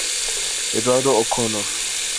Eduardo O'Connor...".